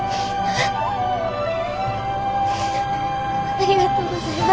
ありがとうございます。